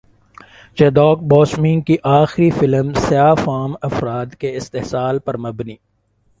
Chadwick Boseman کی اخری film سیاہ فام افراد کے استحصال پر مبنی